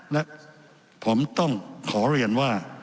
และผมต้องขอเรียนว่า